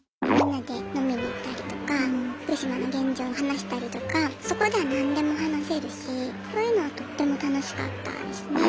みんなで飲みに行ったりとか福島の現状を話したりとかそこでは何でも話せるしそういうのはとっても楽しかったですね。